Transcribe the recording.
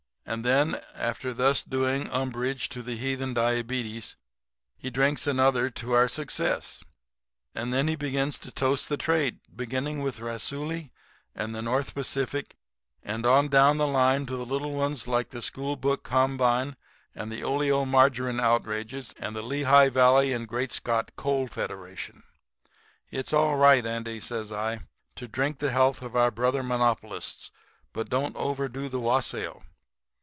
"And then after thus doing umbrage to the heathen diabetes he drinks another to our success. And then he begins to toast the trade, beginning with Raisuli and the Northern Pacific, and on down the line to the little ones like the school book combine and the oleomargarine outrages and the Lehigh Valley and Great Scott Coal Federation. "'It's all right, Andy,' says I, 'to drink the health of our brother monopolists, but don't overdo the wassail.